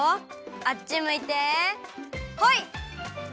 あっちむいてホイ！